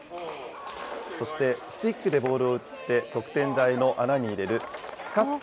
そしてスティックでボールを打って、得点台の穴に入れるスカット